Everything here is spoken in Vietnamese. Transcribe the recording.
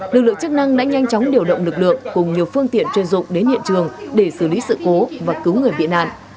lực lượng chức năng đã nhanh chóng điều động lực lượng cùng nhiều phương tiện chuyên dụng đến hiện trường để xử lý sự cố và cứu người bị nạn